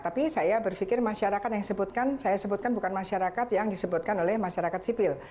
tapi saya berpikir masyarakat yang disebutkan saya sebutkan bukan masyarakat yang disebutkan oleh masyarakat sipil